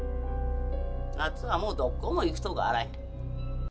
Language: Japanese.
ナツはもうどっこも行くとこあらへん。